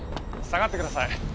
下がってください。